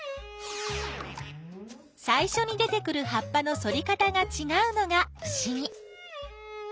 さいしょに出てくる葉っぱの反り方がちがうのがふしぎ。